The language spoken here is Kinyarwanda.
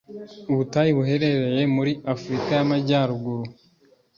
ubutayu buhereye muri afurika y’ amajyaruguru